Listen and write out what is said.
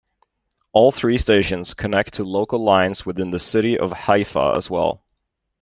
All three stations connect to local lines within the city of Haifa as well.